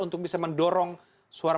untuk bisa mendorong suara